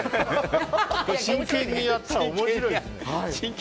真剣にやったら面白い。